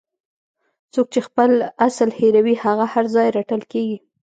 څوک چې خپل اصل هیروي هغه هر ځای رټل کیږي.